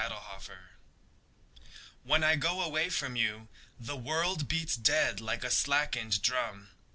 The Taxi When I go away from you The world beats dead Like a slackened drum.